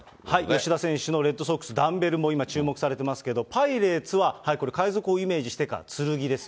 吉田選手のレッドソックス、ダンベルも今、注目されてますけど、パイレーツは、これ、海賊をイメージしてか、剣です。